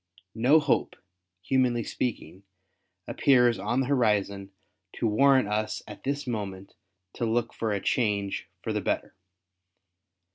No hope, humanly speaking, appears on the horizon to warrant us at this moment to look for a change for the better.